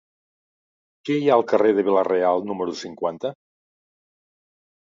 Què hi ha al carrer de Vila-real número cinquanta?